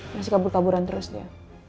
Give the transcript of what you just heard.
masih kabur kaburan terus dia